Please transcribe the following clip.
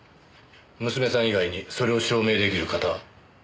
娘さん以外にそれを証明出来る方は？